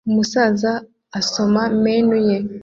Umusaza asoma menu ye